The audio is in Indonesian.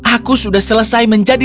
aku sudah selesai mencari